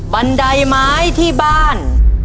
บันไดไม้ที่บ้าน